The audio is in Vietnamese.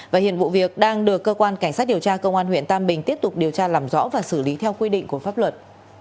và hiện vụ việc đang được cơ quan cảnh sát điều tra công an huyện tam bình tiếp tục điều tra làm rõ và xử lý theo quy định của pháp luật